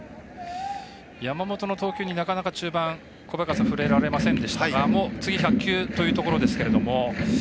山本の投球になかなか中盤、触れられませんでしたが次１００球というところですが。